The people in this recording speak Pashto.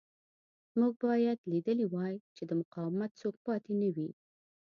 موږ باید لیدلی وای چې د مقاومت څوک پاتې نه وي